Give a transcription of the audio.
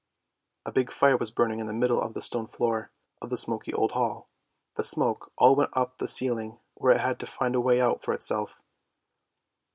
A big fire was burning in the middle of the stone floor of the smoky old hall. The smoke all went up to the ceiling where it had to find a way out for itself.